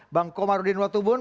bang komarudin watubun